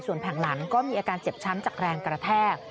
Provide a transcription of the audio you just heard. ส่วนแผ่นหลังก็มีอาการเจ็บช้ำจากแรงกระแทก